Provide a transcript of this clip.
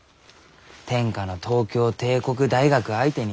天下の東京帝国大学相手に。